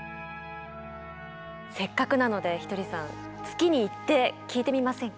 せっかくなのでひとりさん月に行って聞いてみませんか？